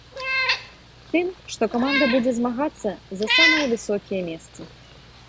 Тым, што каманда будзе змагацца за самыя высокія месцы.